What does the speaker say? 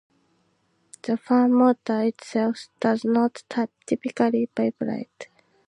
The fan motor itself does not typically vibrate.